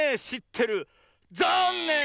ざんねん！